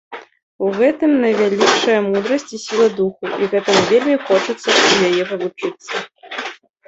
У гэтым найвялікшая мудрасць і сіла духу, і гэтаму вельмі хочацца ў яе павучыцца.